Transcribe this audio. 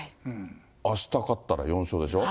あした勝ったら４勝でしょ。